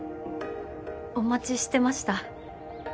お待ちしてました。